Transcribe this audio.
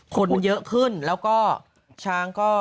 คนเยอะขึ้นแล้วก็ช้างก็